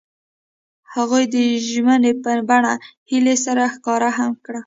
هغوی د ژمنې په بڼه هیلې سره ښکاره هم کړه.